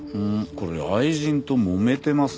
これ愛人ともめてますね。